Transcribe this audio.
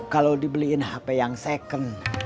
kalau dibeliin hp yang second